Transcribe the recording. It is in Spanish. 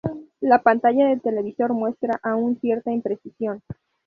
La pantalla del televisor muestra aun cierta imprecisión.